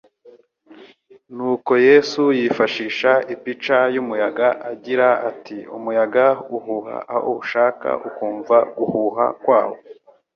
nuko Yesu yifashisha ipica y'umuyaga agira ati :« Umuyaga uhuha aho ushaka ukumva guhuha kwawo,